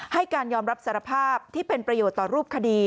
ให้การยอมรับสารภาพที่เป็นประโยชน์ต่อรูปคดี